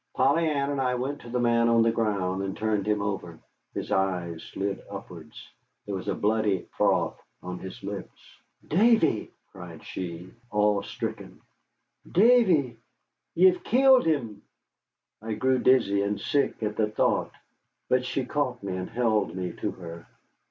Polly Ann and I went to the man on the ground, and turned him over. His eyes slid upwards. There was a bloody froth on his lips. "Davy!" cried she, awestricken, "Davy, ye've killed him!" I grew dizzy and sick at the thought, but she caught me and held me to her.